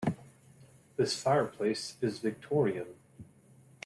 This fireplace is victorian.